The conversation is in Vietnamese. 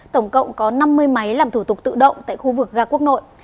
tổng cộng có năm mươi máy làm thủ tục tự động tại khu vực ga quốc nội